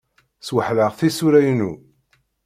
Sweḥleɣ tisura-inu.